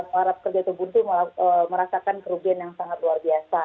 para pekerja terbuntu merasakan kerugian yang sangat luar biasa